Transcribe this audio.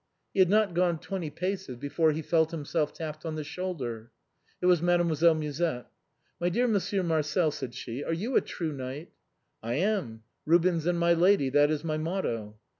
He had not gone twenty paces before he felt himself tapped on the shoulder. It was Mademoiselle Musette. " My dear Monsieur Marcel," said she, " are you a true knight?" " I am. ' Rubens and my lady,' that is my motto."